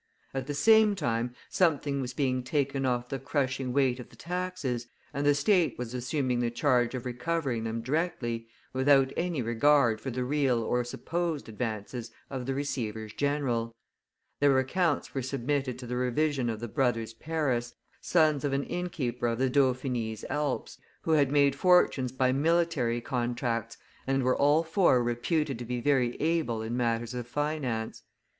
At the same time something was being taken off the crushing weight of the taxes, and the state was assuming the charge of recovering them directly, without any regard for the real or supposed advances of the receivers general; their accounts were submitted to the revision of the brothers Paris, sons of an innkeeper in the Dauphinese Alps, who had made fortunes by military contracts, and were all four reputed to be very able in matters of finance.